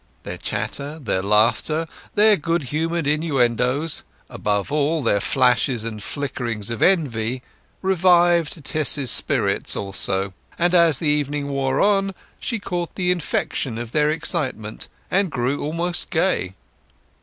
Their chatter, their laughter, their good humoured innuendoes, above all, their flashes and flickerings of envy, revived Tess's spirits also; and, as the evening wore on, she caught the infection of their excitement, and grew almost gay.